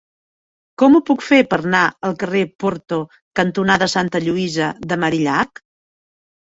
Com ho puc fer per anar al carrer Porto cantonada Santa Lluïsa de Marillac?